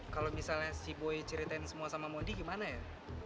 kalau misalnya si boy ceritain semua sama modi gimana ya